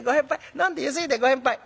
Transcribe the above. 飲んでゆすいで『ご返杯』」。